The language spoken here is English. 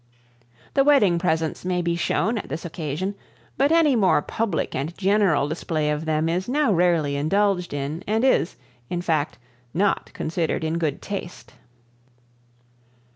The wedding presents may be shown at this occasion, but any more public and general display of them is now rarely indulged in and is, in fact, not considered in good taste.